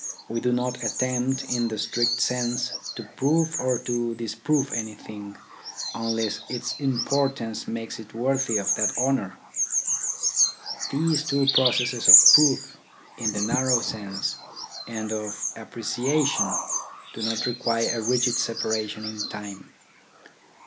We do not attempt, in the strict sense, to prove or to disprove anything, unless its importance makes it worthy of that honour. These two processes of proof, in the narrow sense, and of appreciation do not require a rigid separation in time.